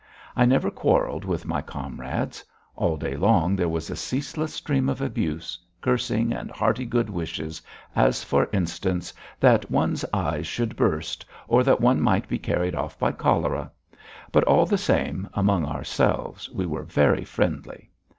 I never quarrelled with my comrades. All day long there was a ceaseless stream of abuse, cursing and hearty good wishes, as, for instance, that one's eyes should burst, or that one might be carried off by cholera, but, all the same, among ourselves we were very friendly.